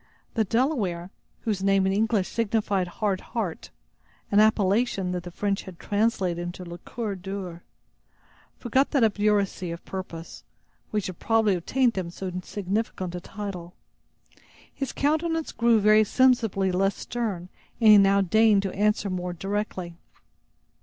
The Delaware, whose name in English signified "Hard Heart," an appellation that the French had translated into "le Coeur dur," forgot that obduracy of purpose, which had probably obtained him so significant a title. His countenance grew very sensibly less stern and he now deigned to answer more directly.